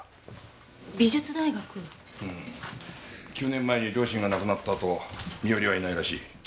９年前に両親が亡くなったあと身寄りはいないらしい。